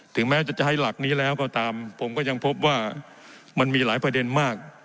แม้จะจะให้หลักนี้แล้วก็ตามผมก็ยังพบว่ามันมีหลายประเด็นมาก